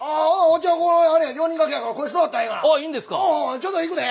ちょっといくで。